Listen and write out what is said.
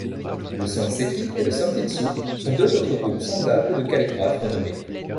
Le sanseki et le sanpitsu sont deux autres groupes semblables de calligraphes renommés.